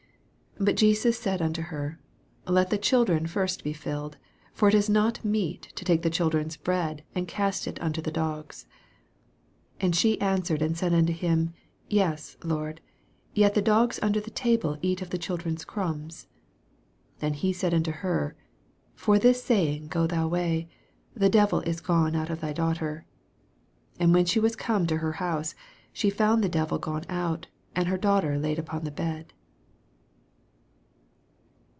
27 But Jesus said unto herj Let the children first be filled : for it is not meet to take the children's bread, and to cast it unto the dogs. 28 And she answered and said unto him, Yes, Lord : yet the dogs under the table eat of the children's crumbs. 29 And he said unto her, For this savins: go thy way ; the devil is gone out of thy daughter. 30 And when she was come to her house, she found the devil gone out, and her daughter laid upon the bed.